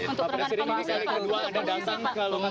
bagaimana kontak pengungsi banyak sekali keluhan yang mereka keluhkan